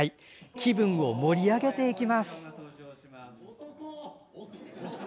気分を盛り上げていきます。